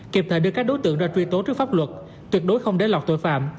kịp thời đưa các đối tượng ra truy tố trước pháp luật tuyệt đối không để lọt tội phạm